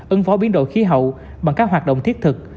ứng phó biến đổi khí hậu bằng các hoạt động thiết thực